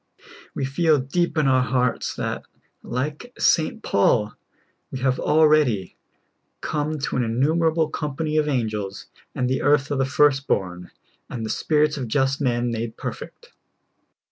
We feel deep in our hearts that, like St. Paul, we have already " come to an innumerable company of angels, and the Church of the first born, and the spirits of just men made perfect."